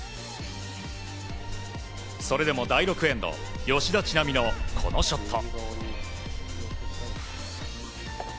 それでも第６エンド吉田知那美のこのショット。